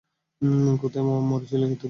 কোথায় মরেছিলে এতোদিন?